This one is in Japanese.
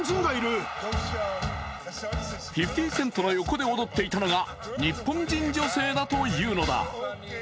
ｃｅｎｔの横で踊っていたのが日本人女性だというのだ。